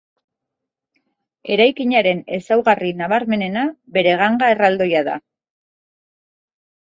Eraikinaren ezaugarri nabarmenena bere ganga erraldoia da.